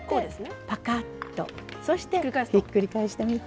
ぱかっとそして、ひっくり返してみて。